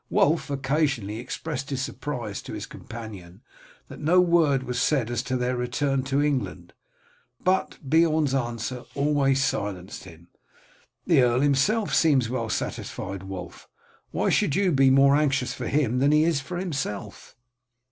Wulf occasionally expressed his surprise to his companion that no word was said as to their return to England, but Beorn's answer always silenced him. "The earl himself seems well satisfied, Wulf. Why should you be more anxious for him than he is for himself?"